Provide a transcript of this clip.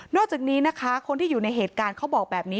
อกจากนี้นะคะคนที่อยู่ในเหตุการณ์เขาบอกแบบนี้